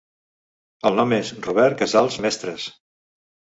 El nom es Robert Casals Mestres.